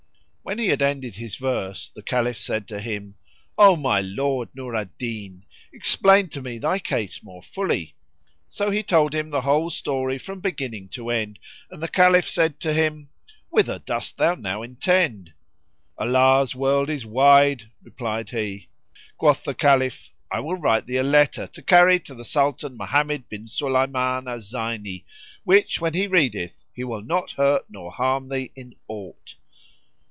"[FN#61] When he had ended his verse, the Caliph said to him, "O my lord Nur al Din, explain to me thy case more fully," So he told him the whole story from beginning to end, and the Caliph said to him, "Whither dost thou now intend?" "Allah's world is wide," replied he. Quoth the Caliph, "I will write thee a letter to carry to the Sultan Mohammed bin Sulayman al Zayni, which when he readeth, he will not hurt nor harm thee in aught."